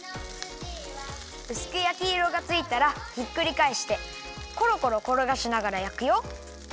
うすくやきいろがついたらひっくりかえしてころころころがしながらやくよ。